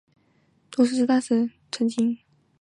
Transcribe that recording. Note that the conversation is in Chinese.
曾经担任驻莫斯科挪威大使。